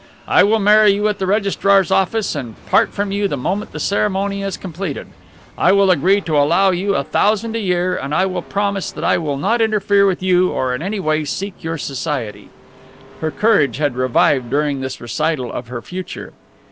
I will marry you at the registrar's office and part from you the moment the ceremony is completed. I will agree to allow you a thousand a year and I will promise that I will not interfere with you or in any way seek your society." Her courage had revived during this recital of her future.